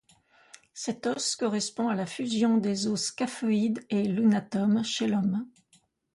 Cet os correspond à la fusion des os scaphoïde et lunatum chez l'homme.